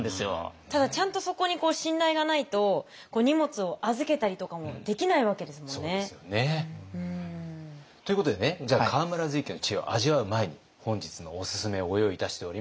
ただちゃんとそこに信頼がないと荷物を預けたりとかもできないわけですもんね。ということでねじゃあ河村瑞賢の知恵を味わう前に本日のおすすめをご用意いたしております。